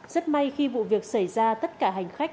rất may khi vụ việc xảy ra tất cả hành khách